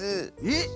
えっ⁉